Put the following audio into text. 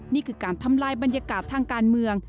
นี่คือการทำลายบรรยากาศทางการเมือง